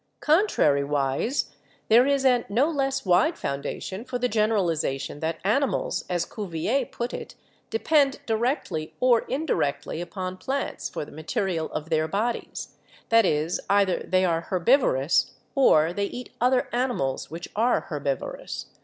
"Contrariwise, there is a no less wide foundation for the generalization that animals, as Cuvier put it, depend di rectly or indirectly upon plants for the material of their bodies ; that is, either they are herbivorous or they eat oth er animals which are herbivorous.